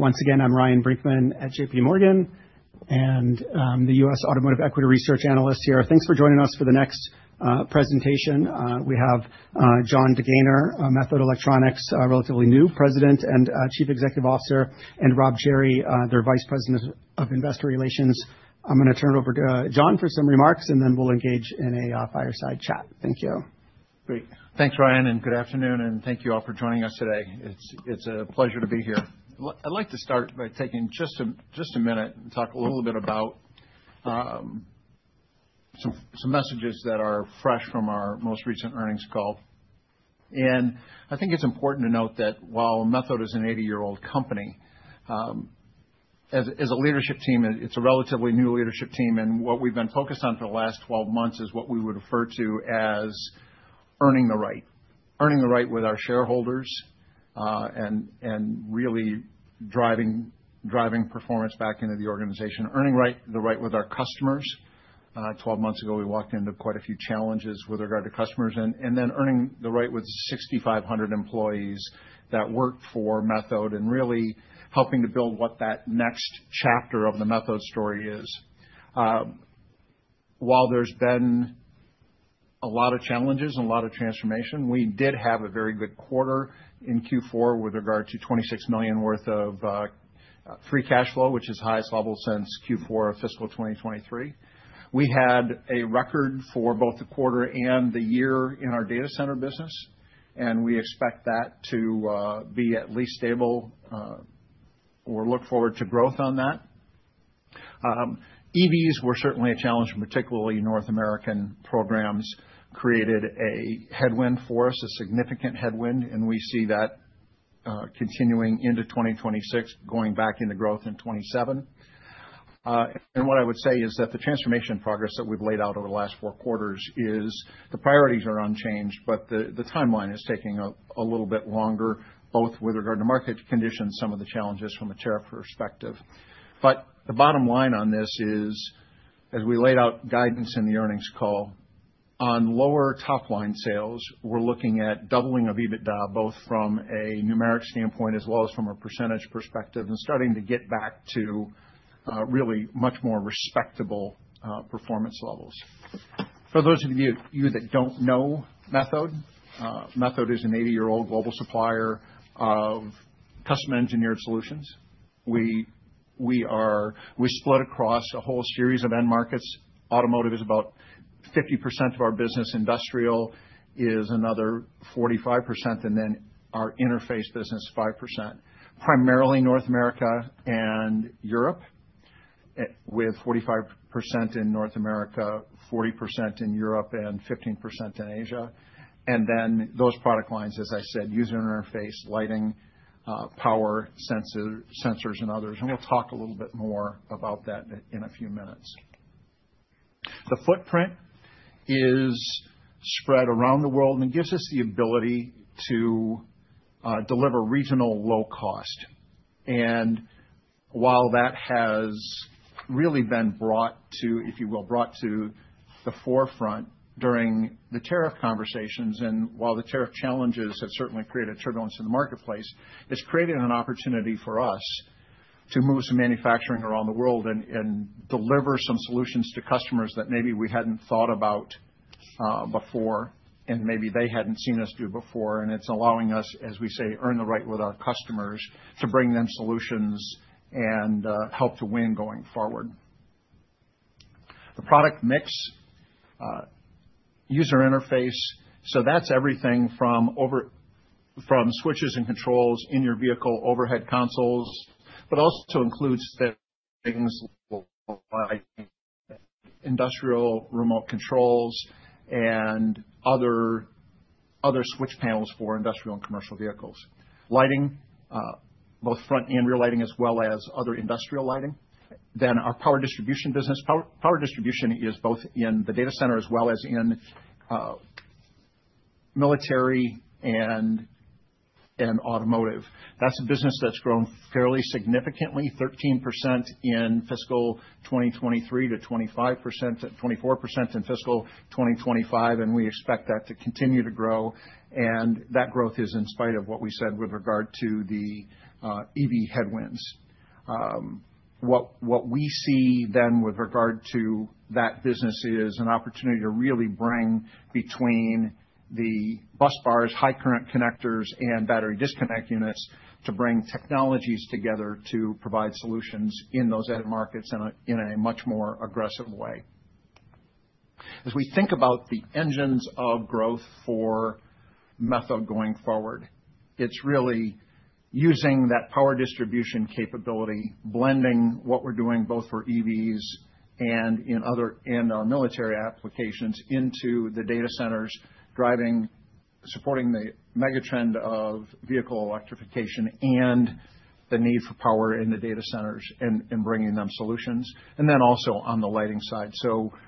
Once again, I'm Ryan Brinkman at JPMorgan and the U.S. Automotive Equity Research Analyst here. Thanks for joining us for the next presentation. We have Jon DeGaynor, Methode Electronics' relatively new President and Chief Executive Officer, and Rob Cherry, their Vice President of Investor Relations. I'm going to turn it over to Jon for some remarks, and then we'll engage in a fireside chat. Thank you. Great. Thanks, Ryan, and good afternoon, and thank you all for joining us today. It's a pleasure to be here. I'd like to start by taking just a minute to talk a little bit about some messages that are fresh from our most recent earnings call. I think it's important to note that while Methode is an 80-year-old company, as a leadership team, it's a relatively new leadership team. What we've been focused on for the last 12 months is what we would refer to as earning the right. Earning the right with our shareholders and really driving performance back into the organization. Earning the right with our customers. 12 months ago, we walked into quite a few challenges with regard to customers, and then earning the right with 6,500 employees that work for Methode and really helping to build what that next chapter of the Methode story is. While there's been a lot of challenges and a lot of transformation, we did have a very good quarter in Q4 with regard to $26 million worth of free cash flow, which is the highest level since Q4 of fiscal 2023. We had a record for both the quarter and the year in our data center power products business, and we expect that to be at least stable or look forward to growth on that. EVs were certainly a challenge, particularly North American programs created a headwind for us, a significant headwind, and we see that continuing into 2026, going back into growth in 2027. What I would say is that the transformation progress that we've laid out over the last four quarters is the priorities are unchanged, but the timeline is taking a little bit longer, both with regard to market conditions and some of the challenges from a tariff perspective. The bottom line on this is, as we laid out guidance in the earnings call, on lower top-line sales, we're looking at doubling of adjusted EBITDA, both from a numeric standpoint as well as from a percentage perspective, and starting to get back to really much more respectable performance levels. For those of you that don't know Methode, Methode is an 80-year-old global supplier of custom-engineered solutions. We split across a whole series of end markets. Automotive is about 50% of our business, industrial is another 45%, and then our user interface solutions business is 5%. Primarily North America and Europe, with 45% in North America, 40% in Europe, and 15% in Asia. Those product lines, as I said, user interface solutions, lighting, power distribution products, sensors, and others. We'll talk a little bit more about that in a few minutes. The footprint is spread around the world and gives us the ability to deliver regional low cost. While that has really been brought to the forefront during the tariff conversations, and while the tariff challenges have certainly created turbulence in the marketplace, it's created an opportunity for us to move some manufacturing around the world and deliver some solutions to customers that maybe we hadn't thought about before and maybe they hadn't seen us do before. It's allowing us, as we say, to earn the right with our customers to bring them solutions and help to win going forward. The product mix, user interface, so that's everything from switches and controls in your vehicle, overhead consoles, but also includes things like industrial remote controls and other switch panels for industrial and commercial vehicles. Lighting, both front and rear lighting, as well as other industrial lighting. Then our power distribution business. Power distribution is both in the data center as well as in military and automotive. That's a business that's grown fairly significantly, 13% in fiscal 2023 to 25%, 24% in fiscal 2025. We expect that to continue to grow. That growth is in spite of what we said with regard to the EV headwinds. What we see then with regard to that business is an opportunity to really bring between the bus bars, high current connectors, and battery disconnect units to bring technologies together to provide solutions in those end markets in a much more aggressive way. As we think about the engines of growth for Methode going forward, it's really using that power distribution capability, blending what we're doing both for EVs and in other military applications into the data centers, supporting the megatrend of vehicle electrification and the need for power in the data centers and bringing them solutions. Also on the lighting side.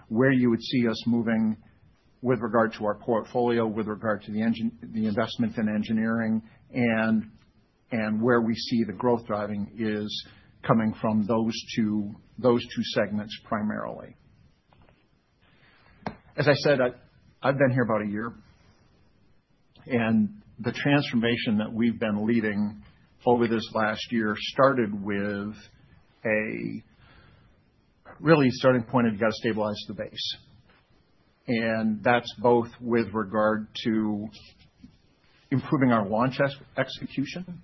Where you would see us moving with regard to our portfolio, with regard to the investments in engineering, and where we see the growth driving is coming from those two segments primarily. As I said, I've been here about a year. The transformation that we've been leading over this last year started with a really starting point of you got to stabilize the base. That's both with regard to improving our launch execution.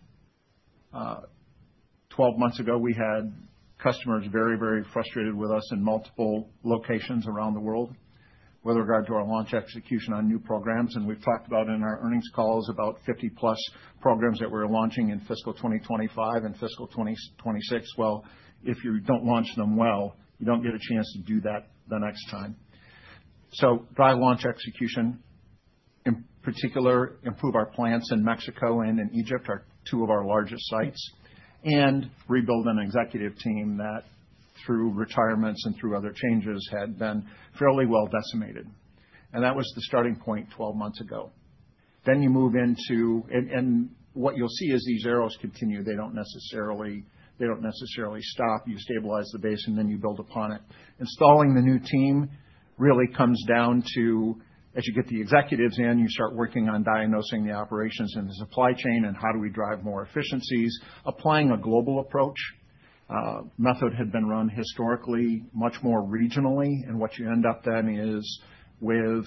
Twelve months ago, we had customers very, very frustrated with us in multiple locations around the world with regard to our launch execution on new programs. We have talked about in our earnings calls about 50+ programs that we're launching in fiscal 2025 and fiscal 2026. If you don't launch them well, you don't get a chance to do that the next time. Dry launch execution, in particular, improves our plants in Mexico and in Egypt, which are two of our largest sites, and rebuilds an executive team that, through retirements and through other changes, had been fairly well-decimated. That was the starting point 12 months ago. You move into, and what you'll see is these arrows continue. They don't necessarily stop. You stabilize the base, and then you build upon it. Installing the new team really comes down to, as you get the executives in, you start working on diagnosing the operations and the supply chain and how do we drive more efficiencies, applying a global approach. Methode had been run historically much more regionally. What you end up then is with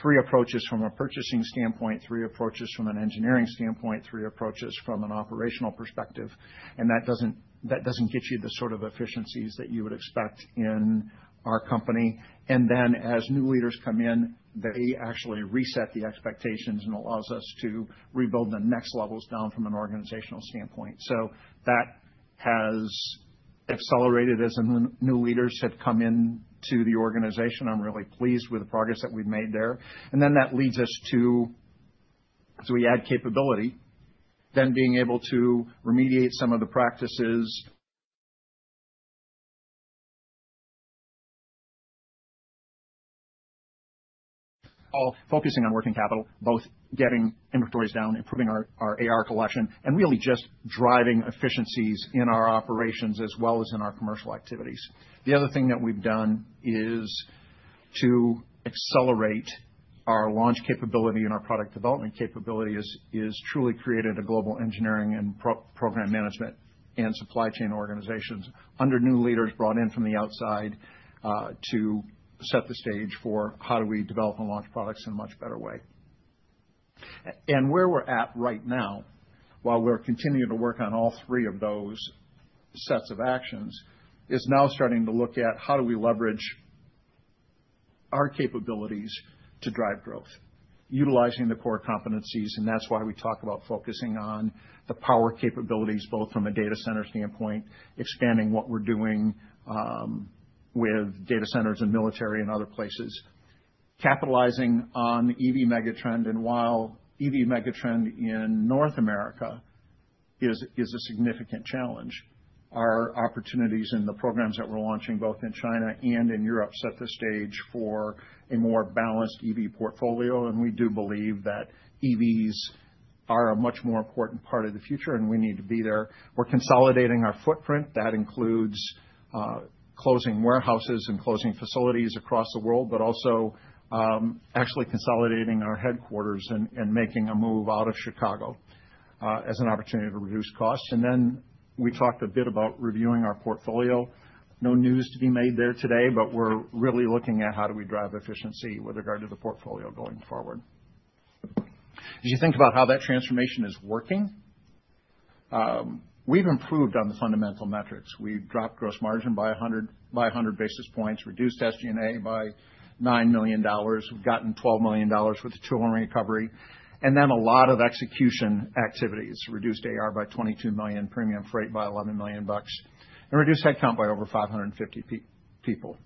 three approaches from a purchasing standpoint, three approaches from an engineering standpoint, three approaches from an operational perspective. That doesn't get you the sort of efficiencies that you would expect in our company. As new leaders come in, they actually reset the expectations and allow us to rebuild the next levels down from an organizational standpoint. That has accelerated as new leaders have come into the organization. I'm really pleased with the progress that we've made there. That leads us to, as we add capability, then being able to remediate some of the practices, all focusing on working capital, both getting inventories down, improving our AR collection, and really just driving efficiencies in our operations as well as in our commercial activities. The other thing that we've done to accelerate our launch capability and our product development capability is truly created a global engineering and program management and supply chain organizations under new leaders brought in from the outside to set the stage for how do we develop and launch products in a much better way. Where we're at right now, while we're continuing to work on all three of those sets of actions, is now starting to look at how do we leverage our capabilities to drive growth, utilizing the core competencies. That's why we talk about focusing on the power capabilities, both from a data center standpoint, expanding what we're doing with data centers and military and other places, capitalizing on the EV megatrend. While the EV megatrend in North America is a significant challenge, our opportunities in the programs that we're launching both in China and in Europe set the stage for a more balanced EV portfolio. We do believe that EVs are a much more important part of the future, and we need to be there. We're consolidating our footprint. That includes closing warehouses and closing facilities across the world, but also actually consolidating our headquarters and making a move out of Chicago as an opportunity to reduce costs. We talked a bit about reviewing our portfolio. No news to be made there today, but we're really looking at how do we drive efficiency with regard to the portfolio going forward. As you think about how that transformation is working, we've improved on the fundamental metrics. We've dropped gross margin by 100 basis points, reduced SG&A by $9 million, and gotten $12 million with the tooling recovery. A lot of execution activities reduced AR by $22 million, premium freight by $11 million, and reduced headcount by over 550 people.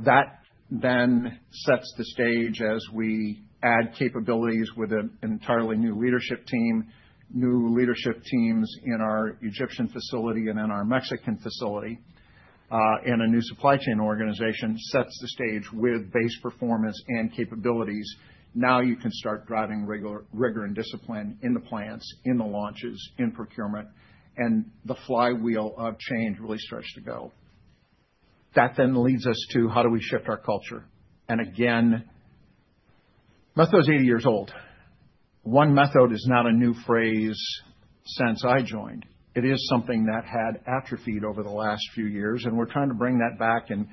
That then sets the stage as we add capabilities with an entirely new leadership team, new leadership teams in our Egyptian facility and in our Mexican facility, and a new supply chain organization sets the stage with base performance and capabilities. Now you can start driving rigor and discipline in the plants, in the launches, in procurement, and the flywheel of change really starts to go. That leads us to how do we shift our culture. Methode is 80 years old. OneMethode is not a new phrase since I joined. It is something that had atrophied over the last few years, and we're trying to bring that back and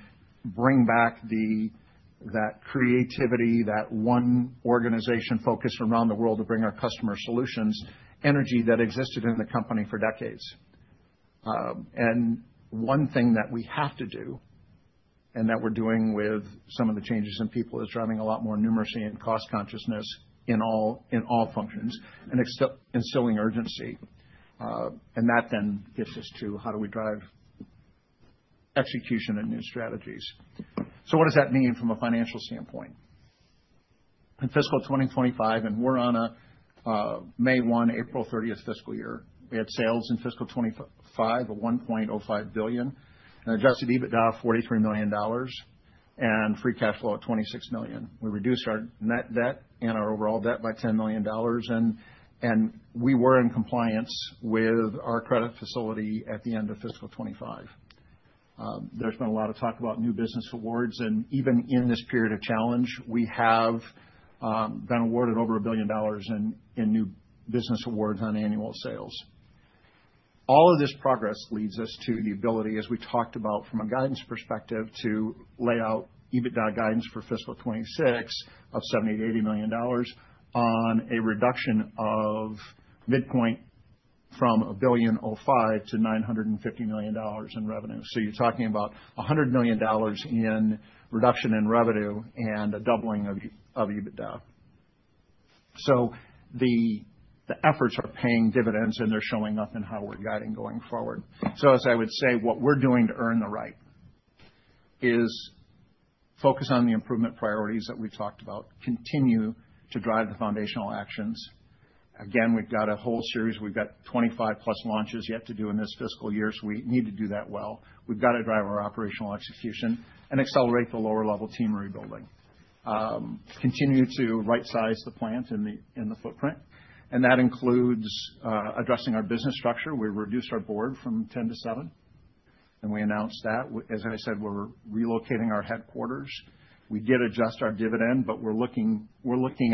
bring back that creativity, that one organization focused around the world to bring our customer solutions, energy that existed in the company for decades. One thing that we have to do and that we're doing with some of the changes in people is driving a lot more numeracy and cost consciousness in all functions and instilling urgency. That gets us to how do we drive execution and new strategies. What does that mean from a financial standpoint? In fiscal 2025, and we're on a May 1, April 30 fiscal year, we had sales in fiscal 2025 of $1.05 billion, an adjusted EBITDA of $43 million, and free cash flow at $26 million. We reduced our net debt and our overall debt by $10 million, and we were in compliance with our credit facility at the end of fiscal 2025. There's been a lot of talk about new business awards, and even in this period of challenge, we have been awarded over $1 billion in new business awards on annual sales. All of this progress leads us to the ability, as we talked about from a guidance perspective, to lay out EBITDA guidance for fiscal 2026 of $78 million on a reduction of midpoint from $1.5 billion-$950 million in revenue. You're talking about $100 million in reduction in revenue and a doubling of EBITDA. The efforts are paying dividends, and they're showing up in how we're guiding going forward. As I would say, what we're doing to earn the right is focus on the improvement priorities that we talked about, continue to drive the foundational actions. We've got a whole series. We've got 25+ launches yet to do in this fiscal year, so we need to do that well. We've got to drive our operational execution and accelerate the lower-level team rebuilding. Continue to right-size the plants in the footprint. That includes addressing our business structure. We reduced our board from 10-7, and we announced that. As I said, we're relocating our headquarters. We did adjust our dividend, but we're looking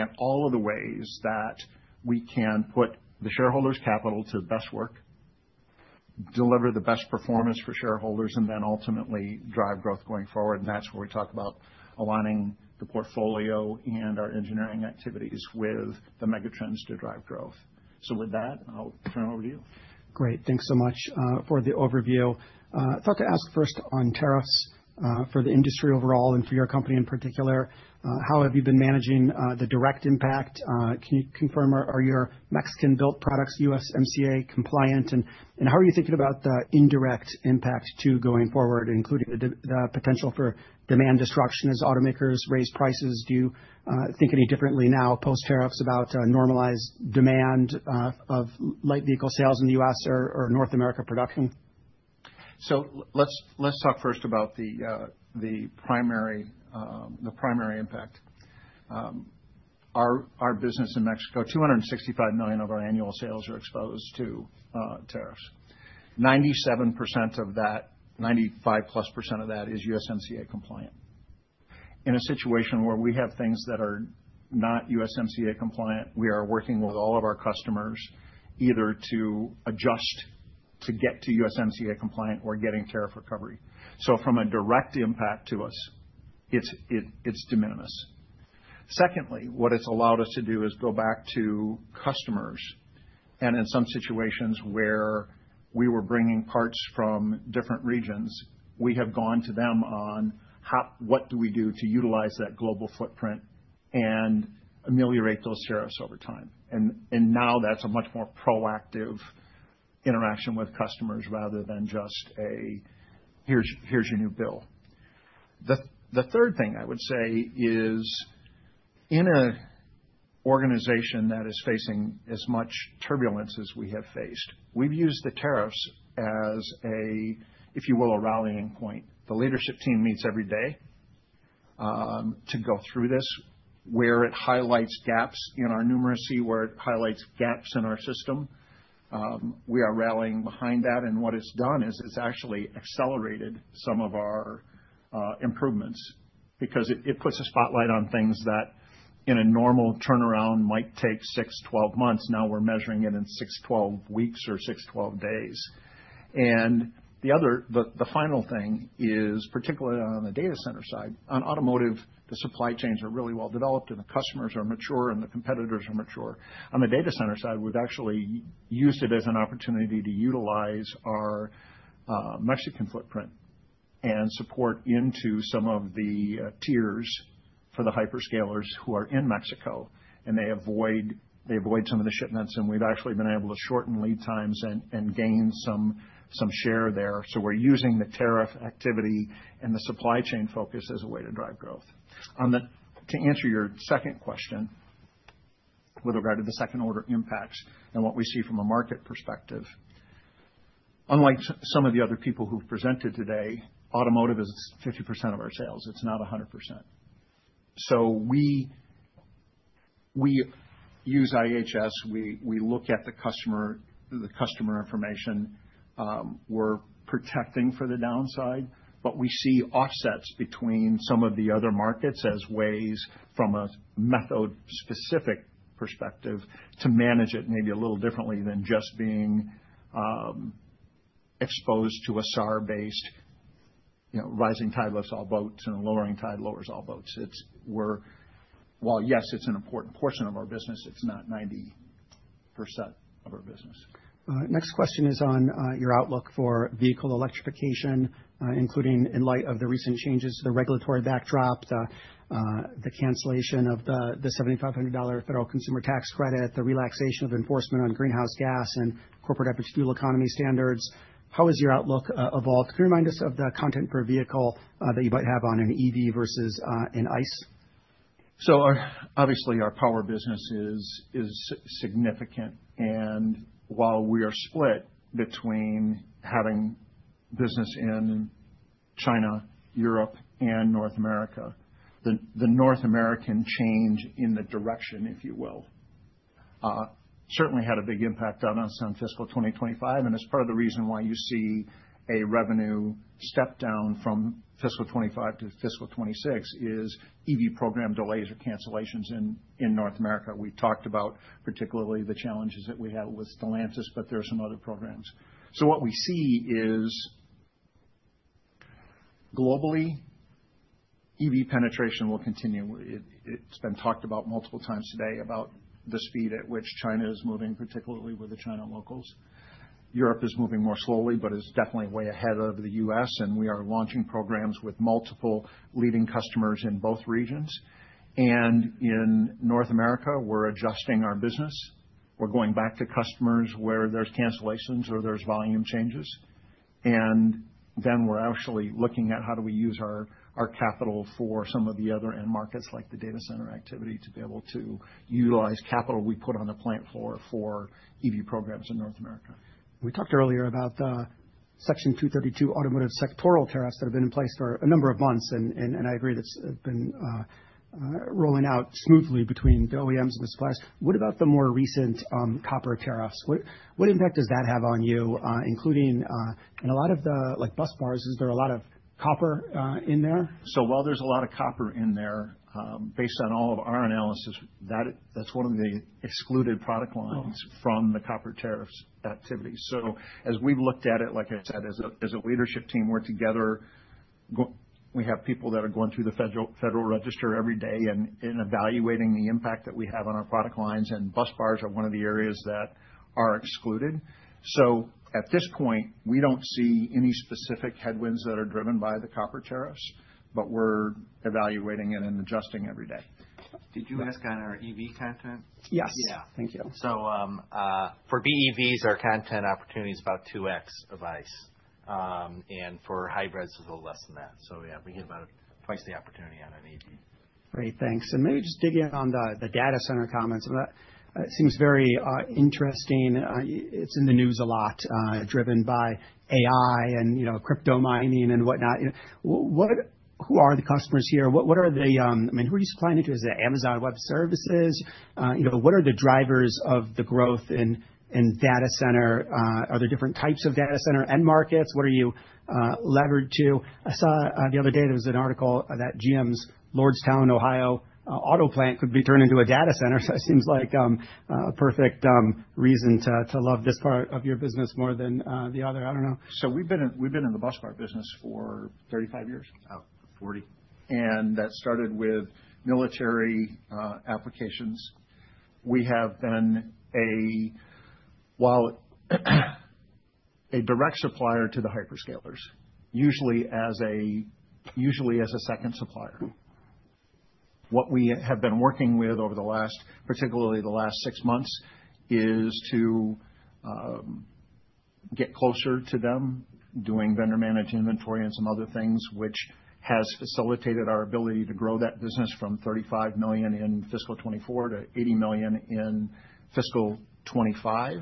at all of the ways that we can put the shareholders' capital to the best work, deliver the best performance for shareholders, and ultimately drive growth going forward. That's where we talk about aligning the portfolio and our engineering activities with the megatrends to drive growth. With that, I'll turn it over to you. Great. Thanks so much for the overview. I thought to ask first on tariffs for the industry overall and for your company in particular. How have you been managing the direct impact? Can you confirm, are your Mexican-built products USMCA compliant? How are you thinking about the indirect impact going forward, including the potential for demand destruction as automakers raise prices? Do you think any differently now post-tariffs about normalized demand of light vehicle sales in the U.S. or North America production? Let's talk first about the primary impact. Our business in Mexico, $265 million of our annual sales are exposed to tariffs. 97% of that, 95%+ of that is USMCA compliant. In a situation where we have things that are not USMCA compliant, we are working with all of our customers either to adjust to get to USMCA compliant or getting tariff recovery. From a direct impact to us, it's de minimis. Secondly, what it's allowed us to do is go back to customers. In some situations where we were bringing parts from different regions, we have gone to them on what do we do to utilize that global footprint and ameliorate those tariffs over time. Now that's a much more proactive interaction with customers rather than just a, "Here's your new bill." The third thing I would say is in an organization that is facing as much turbulence as we have faced, we've used the tariffs as a, if you will, a rallying point. The leadership team meets every day to go through this, where it highlights gaps in our numeracy, where it highlights gaps in our system. We are rallying behind that. What it's done is it's actually accelerated some of our improvements because it puts a spotlight on things that in a normal turnaround might take 6-12 months. Now we're measuring it in 6-12 weeks or 6-12 days. The final thing is, particularly on the data center side, on automotive, the supply chains are really well-developed and the customers are mature and the competitors are mature. On the data center side, we've actually used it as an opportunity to utilize our Mexican footprint and support into some of the tiers for the hyperscalers who are in Mexico. They avoid some of the shipments, and we've actually been able to shorten lead times and gain some share there. We're using the tariff activity and the supply chain focus as a way to drive growth. To answer your second question with regard to the second order impacts and what we see from a market perspective, unlike some of the other people who've presented today, automotive is 50% of our sales. It's not 100%. We use IHS. We look at the customer information. We're protecting for the downside, but we see offsets between some of the other markets as ways from a Methode-specific perspective to manage it maybe a little differently than just being exposed to a SAR-based rising tide lifts all boats and a lowering tide lowers all boats. Yes, it's an important portion of our business. It's not 90% of our business. Next question is on your outlook for vehicle electrification, including in light of the recent changes, the regulatory backdrop, the cancellation of the $7,500 federal consumer tax credit, the relaxation of enforcement on greenhouse gas and corporate average fuel economy standards. How has your outlook evolved? Can you remind us of the content per vehicle that you might have on an EV versus an ICE? Our power business is significant. While we are split between having business in China, Europe, and North America, the North American change in the direction, if you will, certainly had a big impact on us on fiscal 2025. Part of the reason why you see a revenue step down from fiscal 2025 to fiscal 2026 is EV program delays or cancellations in North America. We talked about particularly the challenges that we had with Stellantis, but there are some other programs. What we see is globally, EV penetration will continue. It's been talked about multiple times today about the speed at which China is moving, particularly with the China locals. Europe is moving more slowly, but it's definitely way ahead of the U.S. We are launching programs with multiple leading customers in both regions. In North America, we're adjusting our business. We're going back to customers where there's cancellations or there's volume changes. We're actually looking at how do we use our capital for some of the other end markets like the data center activity to be able to utilize capital we put on the plant floor for EV programs in North America. We talked earlier about Section 232 automotive sectoral tariffs that have been in place for a number of months, and I agree that's been rolling out smoothly between the OEMs and the suppliers. What about the more recent copper tariffs? What impact does that have on you, including in a lot of the bus bars? Is there a lot of copper in there? There is a lot of copper in there. Based on all of our analysis, that's one of the excluded product lines from the copper tariffs activity. As we've looked at it, like I said, as a leadership team, we're together. We have people that are going through the Federal Register every day and evaluating the impact that we have on our product lines. Bus bars are one of the areas that are excluded. At this point, we don't see any specific headwinds that are driven by the copper tariffs, but we're evaluating it and adjusting every day. Did you ask on our EV content? Yes. Yeah. Thank you. For BEVs, our content opportunity is about 2x of ICE, and for hybrids, it's a little less than that. We get about twice the opportunity on an EV. Great. Thanks. Maybe just dig in on the data center comments. It seems very interesting. It's in the news a lot, driven by AI and crypto mining and whatnot. Who are the customers here? What are the, I mean, who are you supplying it to? Is it Amazon Web Services? What are the drivers of the growth in data center? Are there different types of data center end markets? What are you levered to? I saw the other day there was an article that GM's Lordstown, Ohio, auto plant could be turned into a data center. It seems like a perfect reason to love this part of your business more than the other. I don't know. We have been in the bus part business for 35, 40 years. That started with military applications. We have been a direct supplier to the hyperscalers, usually as a second supplier. What we have been working with over the last, particularly the last six months, is to get closer to them, doing vendor managed inventory and some other things, which has facilitated our ability to grow that business from $35 million in fiscal 2024 to $80 million in fiscal 2025.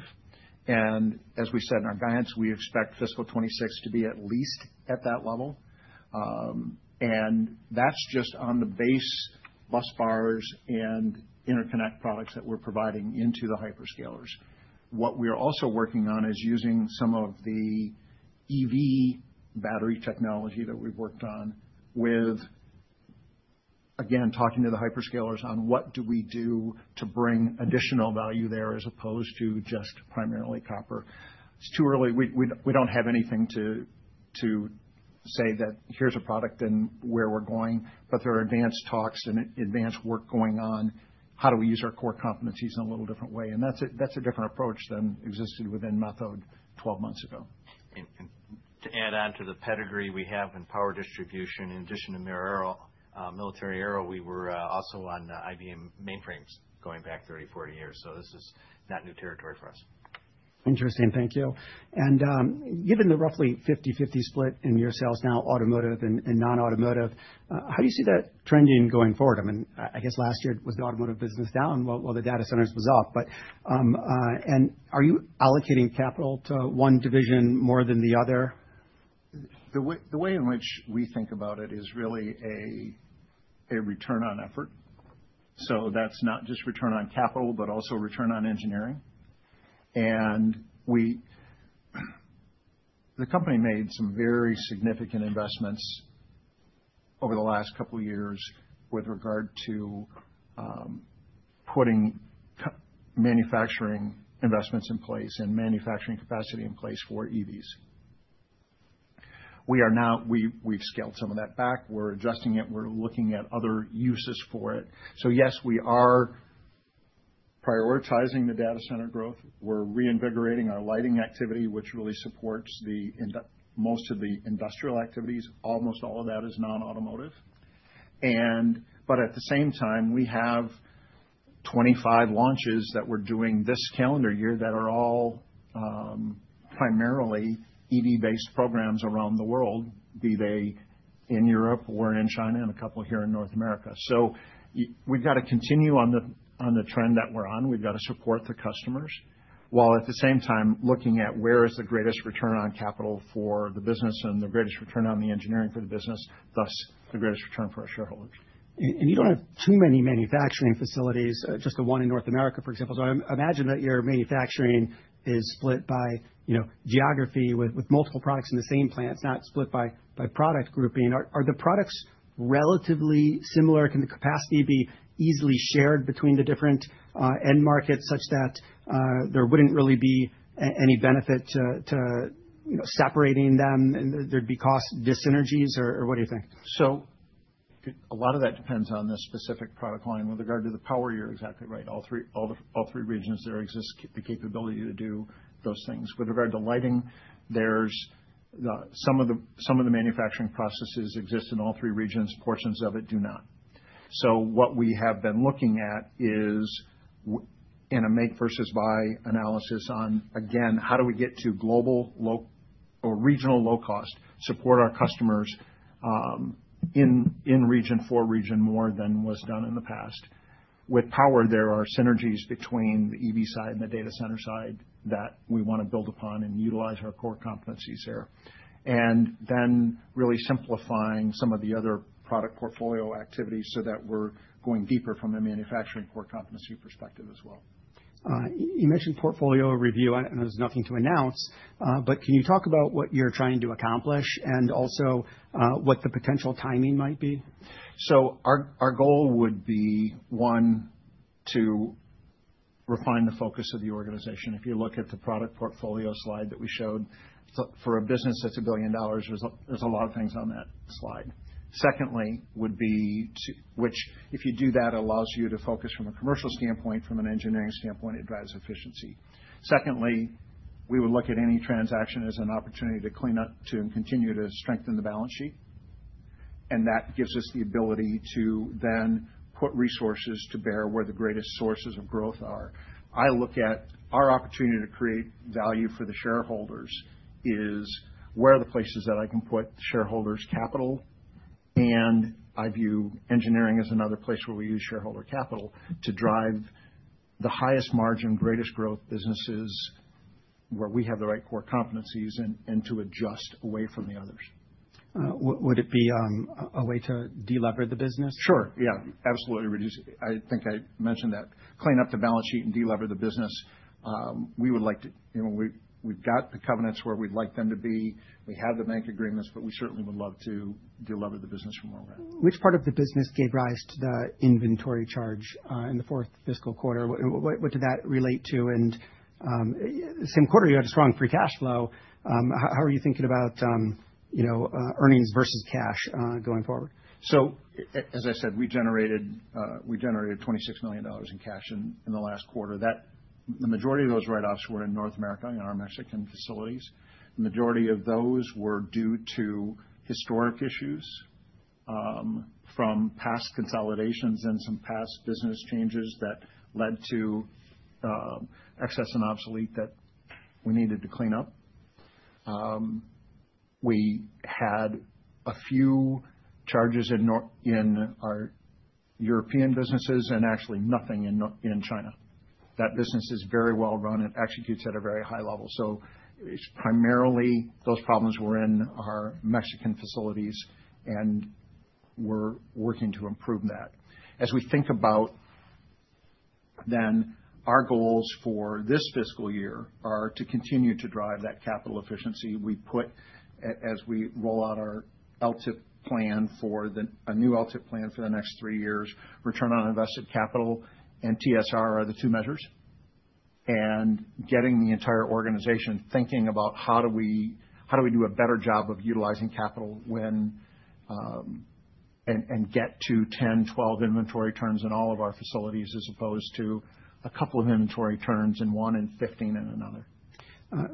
As we said in our guidance, we expect fiscal 2026 to be at least at that level. That is just on the base bus bars and interconnect products that we're providing into the hyperscalers. We are also working on using some of the EV battery technology that we've worked on with, again, talking to the hyperscalers on what do we do to bring additional value there as opposed to just primarily copper. It's too early. We don't have anything to say that here's a product and where we're going, but there are advanced talks and advanced work going on. How do we use our core competencies in a little different way? That is a different approach than existed within Methode 12 months ago. To add on to the pedigree we have in power distribution, in addition to military aerial, we were also on IBM mainframes going back 30 or 40 years. This is not new territory for us. Interesting. Thank you. Given the roughly 50/50 split in your sales now, automotive and non-automotive, how do you see that trending going forward? I mean, I guess last year it was the automotive business down while the data center power products was up. Are you allocating capital to one division more than the other? The way in which we think about it is really a return on effort. That's not just return on capital, but also return on engineering. The company made some very significant investments over the last couple of years with regard to putting manufacturing investments in place and manufacturing capacity in place for EVs. We've scaled some of that back. We're adjusting it. We're looking at other uses for it. Yes, we are prioritizing the data center growth. We're reinvigorating our lighting activity, which really supports most of the industrial activities. Almost all of that is non-automotive. At the same time, we have 25 launches that we're doing this calendar year that are all primarily EV-based programs around the world, be they in Europe or in China and a couple here in North America. We've got to continue on the trend that we're on. We've got to support the customers while at the same time looking at where is the greatest return on capital for the business and the greatest return on the engineering for the business, thus the greatest return for our shareholders. You don't have too many manufacturing facilities, just the one in North America, for example. I imagine that your manufacturing is split by geography with multiple products in the same plant. It's not split by product grouping. Are the products relatively similar? Can the capacity be easily shared between the different end markets such that there wouldn't really be any benefit to separating them? There'd be cost disynergies, or what do you think? A lot of that depends on the specific product line. With regard to the power, you're exactly right. All three regions there exist the capability to do those things. With regard to lighting, some of the manufacturing processes exist in all three regions. Portions of it do not. What we have been looking at is in a make versus buy analysis on, again, how do we get to global or regional low cost, support our customers in region for region more than was done in the past. With power, there are synergies between the EV side and the data center side that we want to build upon and utilize our core competencies there. Then really simplifying some of the other product portfolio activities so that we're going deeper from a manufacturing core competency perspective as well. You mentioned portfolio review, and there's nothing to announce, but can you talk about what you're trying to accomplish and also what the potential timing might be? Our goal would be, one, to refine the focus of the organization. If you look at the product portfolio slide that we showed, for a business that's $1 billion, there's a lot of things on that slide. If you do that, it allows you to focus from a commercial standpoint, from an engineering standpoint, it drives efficiency. Secondly, we would look at any transaction as an opportunity to continue to strengthen the balance sheet. That gives us the ability to then put resources to bear where the greatest sources of growth are. I look at our opportunity to create value for the shareholders as where are the places that I can put shareholders' capital. I view engineering as another place where we use shareholder capital to drive the highest margin, greatest growth businesses where we have the right core competencies and to adjust away from the others. Would it be a way to delever the business? Sure. Yeah. Absolutely. I think I mentioned that. Clean up the balance sheet and delever the business. We would like to, you know, we've got the covenants where we'd like them to be. We have the bank agreements, but we certainly would love to delever the business from where we're at. Which part of the business gave rise to the inventory charge in the fourth fiscal quarter? What did that relate to? In the same quarter, you had a strong free cash flow. How are you thinking about earnings versus cash going forward? As I said, we generated $26 million in cash in the last quarter. The majority of those write-offs were in North America and our Mexican facilities. The majority of those were due to historic issues from past consolidations and some past business changes that led to excess and obsolete that we needed to clean up. We had a few charges in our European businesses and actually nothing in China. That business is very well run. It executes at a very high level. It's primarily those problems were in our Mexican facilities, and we're working to improve that. As we think about then our goals for this fiscal year are to continue to drive that capital efficiency. We put, as we roll out our LTIF plan for a new LTIF plan for the next three years, return on invested capital and TSR are the two measures. Getting the entire organization thinking about how do we do a better job of utilizing capital and get to 10, 12 inventory turns in all of our facilities as opposed to a couple of inventory turns in one and 15 in another.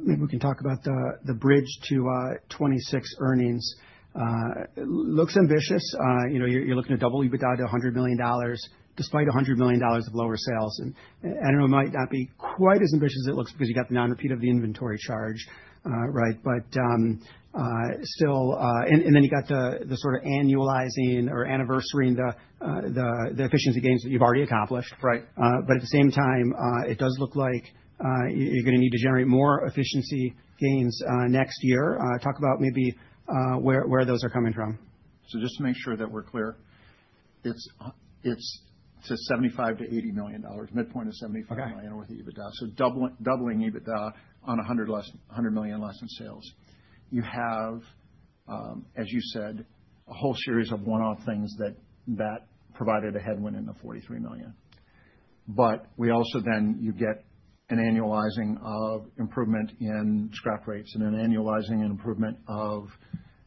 We can talk about the bridge to 2026 earnings. It looks ambitious. You're looking to double EBITDA to $100 million despite $100 million of lower sales. I know it might not be quite as ambitious as it looks because you've got the non-repeat of the inventory charge, right? Still, you've got the sort of annualization of the efficiency gains that you've already accomplished. Right. At the same time, it does look like you're going to need to generate more efficiency gains next year. Talk about maybe where those are coming from. Just to make sure that we're clear, it's $75 million-$80 million, midpoint of $75 million worth of EBITDA. Doubling EBITDA on $100 million less in sales. You have, as you said, a whole series of one-off things that provided a headwind in the $43 million. We also then get an annualizing of improvement in scrap rates and an annualizing and improvement of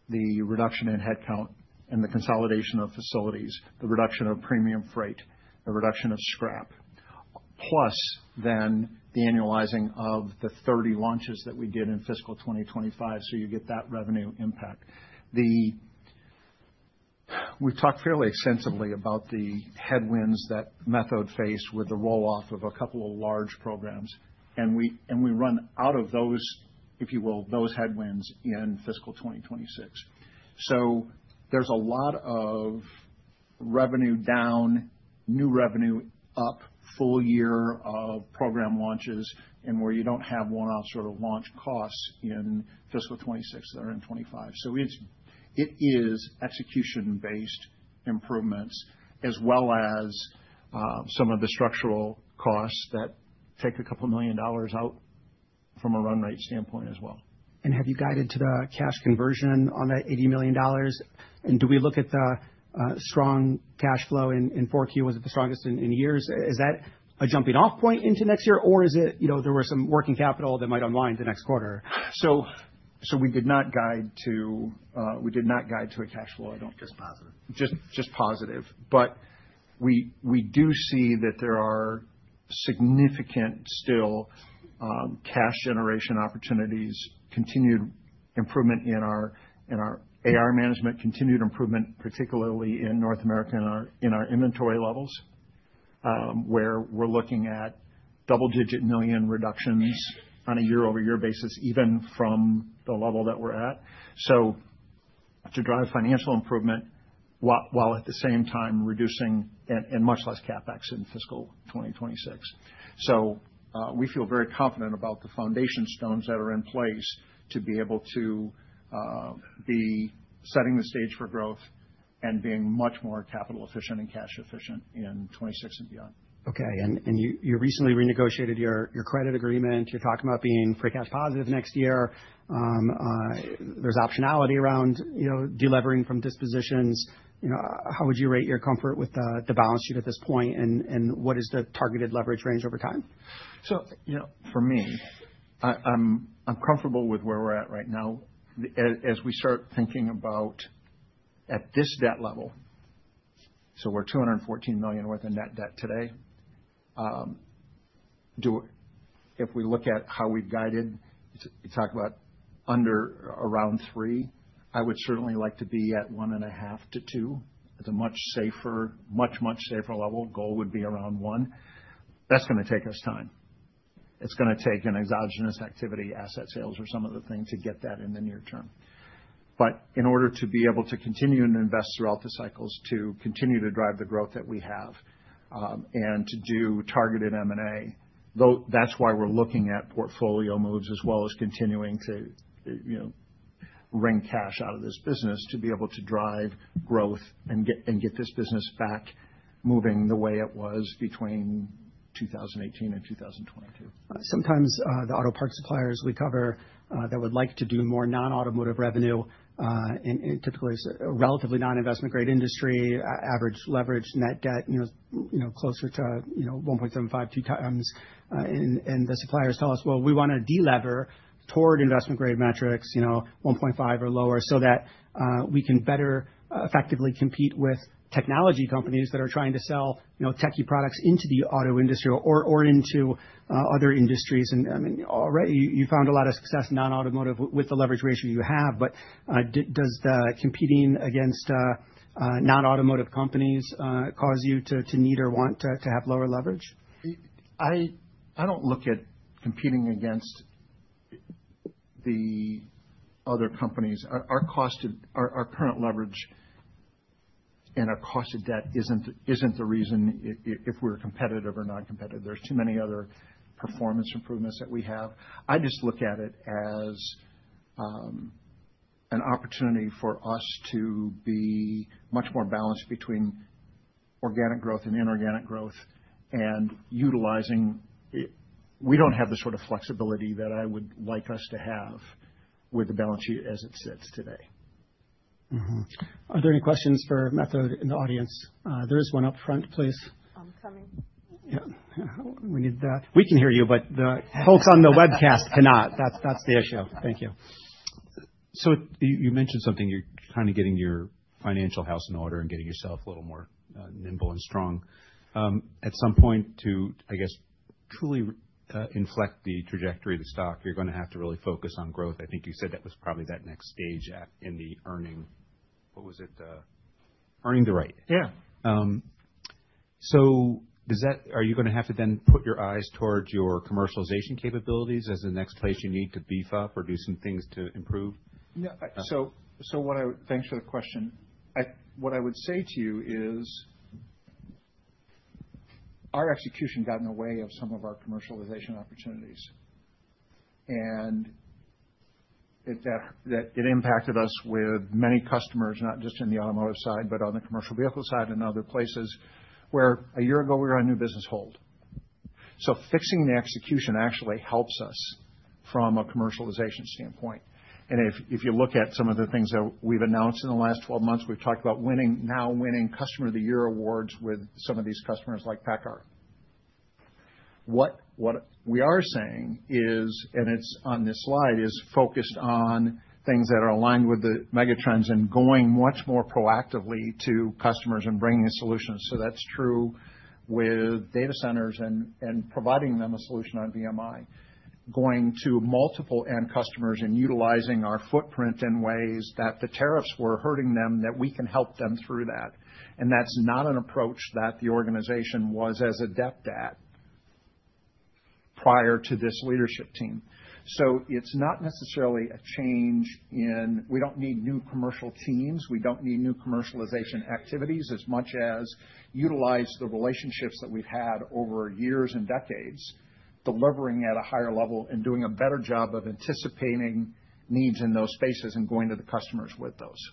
the reduction in headcount and the consolidation of facilities, the reduction of premium freight, the reduction of scrap, plus then the annualizing of the 30 launches that we did in fiscal 2025. You get that revenue impact. We've talked fairly extensively about the headwinds that Methode faced with the rolloff of a couple of large programs. We run out of those, if you will, those headwinds in fiscal 2026. There's a lot of revenue down, new revenue up, full year of program launches, and where you don't have one-off sort of launch costs in fiscal 2026 that are in 2025. It is execution-based improvements as well as some of the structural costs that take a couple of million dollars out from a run rate standpoint as well. Have you guided to the cash conversion on that $80 million? Do we look at the strong cash flow in 4Q? Was it the strongest in years? Is that a jumping-off point into next year, or is it, you know, there were some working capital that might unwind the next quarter? We did not guide to a cash flow, I don't just positive. But we do see that there are significant still cash generation opportunities, continued improvement in our AR management, continued improvement, particularly in North America in our inventory levels, where we're looking at double-digit million reductions on a year-over-year basis, even from the level that we're at. To drive financial improvement while at the same time reducing and much less CapEx in fiscal 2026, we feel very confident about the foundation stones that are in place to be able to be setting the stage for growth and being much more capital efficient and cash efficient in 2026 and beyond. Okay. You recently renegotiated your credit agreement. You're talking about being free cash positive next year. There's optionality around delivering from dispositions. How would you rate your comfort with the balance sheet at this point? What is the targeted leverage range over time? For me, I'm comfortable with where we're at right now. As we start thinking about at this debt level, we're at $214 million worth of net debt today. If we look at how we guided, you talk about under around three, I would certainly like to be at 1.5-2 at a much, much, much safer level. Goal would be around one. That's going to take us time. It's going to take an exogenous activity, asset sales, or some other thing to get that in the near term. In order to be able to continue to invest throughout the cycles, to continue to drive the growth that we have, and to do targeted M&A, that's why we're looking at portfolio moves as well as continuing to wring cash out of this business to be able to drive growth and get this business back moving the way it was between 2018 and 2022. Sometimes the auto parts suppliers we cover would like to do more non-automotive revenue, and typically it's a relatively non-investment grade industry, average leverage net debt, you know, closer to 1.75x, 2x. The suppliers tell us they want to delever toward investment grade metrics, you know, 1.5x or lower so that they can better effectively compete with technology companies that are trying to sell techy products into the auto industry or into other industries. I mean, already you found a lot of success non-automotive with the leverage ratio you have, but does the competing against non-automotive companies cause you to need or want to have lower leverage? I don't look at competing against the other companies. Our current leverage and our cost of debt isn't the reason if we're competitive or non-competitive. There are too many other performance improvements that we have. I just look at it as an opportunity for us to be much more balanced between organic growth and inorganic growth and utilizing. We don't have the sort of flexibility that I would like us to have with the balance sheet as it sits today. Are there any questions for Methode in the audience? There is one up front, please. I'm coming. We need that. We can hear you, but the host on the webcast cannot. That's the issue. Thank you. You mentioned something. You're kind of getting your financial house in order and getting yourself a little more nimble and strong. At some point, to, I guess, truly inflect the trajectory of the stock, you're going to have to really focus on growth. I think you said that was probably that next stage in the earning. What was it? Earning the right. Yeah. Are you going to have to then put your eyes towards your commercialization capabilities as the next place you need to beef up or do some things to improve? Yeah. Thanks for the question. What I would say to you is our execution got in the way of some of our commercialization opportunities. It impacted us with many customers, not just in the automotive side, but on the commercial vehicle side and other places where a year ago we were on new business hold. Fixing the execution actually helps us from a commercialization standpoint. If you look at some of the things that we've announced in the last 12 months, we've talked about now winning customer of the year awards with some of these customers like Packard. What we are saying is, and it's on this slide, is focused on things that are aligned with the megatrends and going much more proactively to customers and bringing solutions. That's true with data centers and providing them a solution on VMI. Going to multiple end customers and utilizing our footprint in ways that the tariffs were hurting them, that we can help them through that. That's not an approach that the organization was as adept at prior to this leadership team. It's not necessarily a change in, we don't need new commercial teams. We don't need new commercialization activities as much as utilize the relationships that we've had over years and decades, delivering at a higher level and doing a better job of anticipating needs in those spaces and going to the customers with those.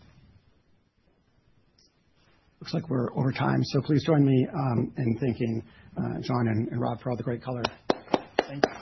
Looks like we're over time. Please join me in thanking Jon and Rob for all the great color. Thank you.